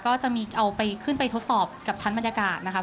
ก็จะมีเอาไปขึ้นไปทดสอบกับชั้นบรรยากาศนะครับ